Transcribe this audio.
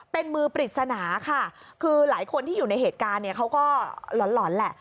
เป็นมือปริศนาค่ะคือหลายคนที่อยู่ในเหตุการณ์เนี่ยเขาก็หล่อนแหละ